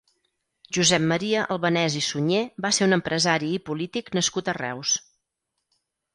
Josep Maria Albanès i Suñer va ser un empresari i polític nascut a Reus.